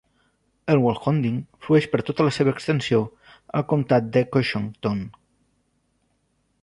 El Walhonding flueix per tota la seva extensió al comtat de Coshocton.